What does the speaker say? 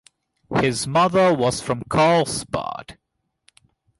His mother was from Karlsbad.